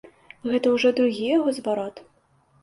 Гэта ўжо другі яго зварот.